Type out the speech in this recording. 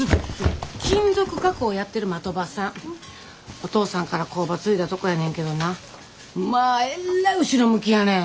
お父さんから工場継いだとこやねんけどなまあえっらい後ろ向きやねん。